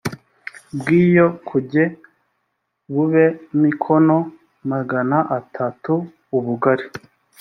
bw iyo nkuge bube mikono magana atatu ubugari